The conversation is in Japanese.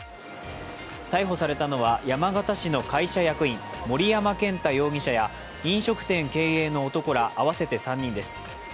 逮捕されたのは、山形市の会社役員森山健太容疑者や飲食店経営の男ら、合わせて３人です